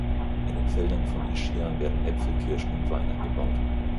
In den Feldern von Ischia werden Äpfel, Kirschen und Wein angebaut.